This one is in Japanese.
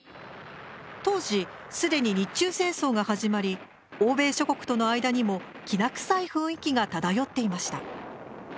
当時すでに日中戦争が始まり欧米諸国との間にもきな臭い雰囲気が漂っていました。